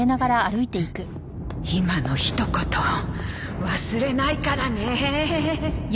今の一言忘れないからね！